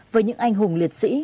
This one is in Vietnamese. với những anh hùng liệt sĩ